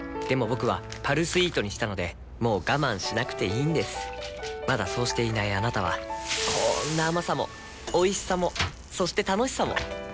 僕は「パルスイート」にしたのでもう我慢しなくていいんですまだそうしていないあなたはこんな甘さもおいしさもそして楽しさもあちっ。